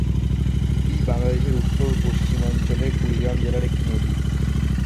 এটি বাংলাদেশের উত্তর-পশ্চিমাঞ্চলের কুড়িগ্রাম জেলার একটি নদী।